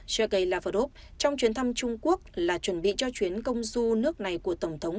sergei lavrov trong chuyến thăm trung quốc là chuẩn bị cho chuyến công du nước này của tổng thống